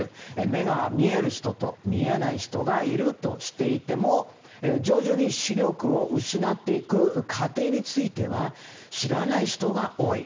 目が見える人と目が見えない人がいると知っていても徐々に視力を失っていく過程については知らない人が多い。